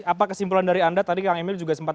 apa kesimpulan dari anda tadi kang emil juga sempat